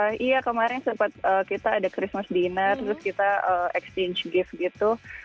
iya kemarin sempat kita ada christmas dinner terus kita exchange gift gitu